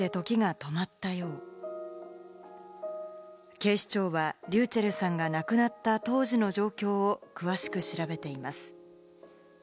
警視庁はｒｙｕｃｈｅｌｌさんが亡くなった当時の状況を詳しく調べています。